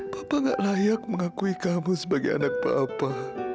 papa gak layak mengakui kamu sebagai anak papa